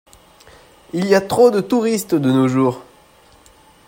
Il y a trop de touristes de nos jours.